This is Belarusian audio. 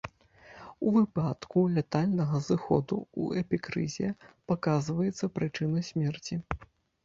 У выпадку лятальнага зыходу ў эпікрызе паказваецца прычына смерці.